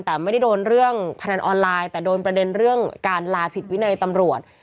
แต่ไม่ได้โดนเรื่องพนันออนไลน์แต่โดนประเด็นเรื่องการลาผิดวินัยตำรวจ